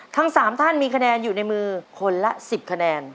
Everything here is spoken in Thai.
ทั้ง๓ท่านมีคะแนนอยู่ในมือคนละ๑๐คะแนน